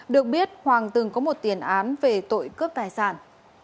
được biết hoàng từng có một tiền án về tội cướp tài sản